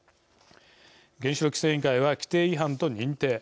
原子力規制委員会は規定違反と認定。